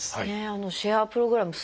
あのシェアプログラム